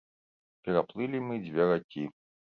Пераплылі мы дзве ракі.